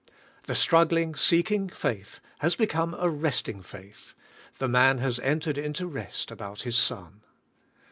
The struggling, seeking faith has become a resting faith. The man has entered into rest about his son.